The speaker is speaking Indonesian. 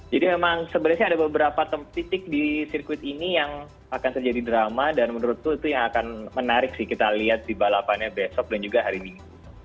jadi memang sebenarnya ada beberapa titik di sirkuit ini yang akan terjadi drama dan menurutku itu yang akan menarik sih kita lihat di balapannya besok dan juga hari ini